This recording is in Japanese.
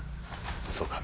そうか。